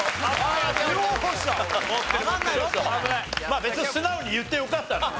まあ別に素直に言ってよかったんだよ。